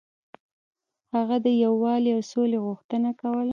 هغه د یووالي او سولې غوښتنه کوله.